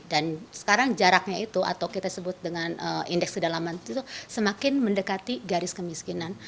dan sekarang jaraknya itu atau kita sebut dengan indeks kedalaman itu semakin mendekati garis kemiskinan